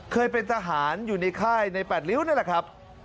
เคยเป็นทหารอยู่ในค่ายใน๘ริ้วนั่นแหละครับ